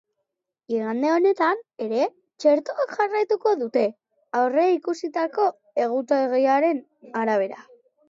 Igande honetan ere txertoak jarraituko dute, aurreikusitako egutegiaren arabera.